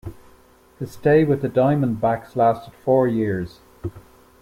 His stay with the Diamondbacks lasted four years.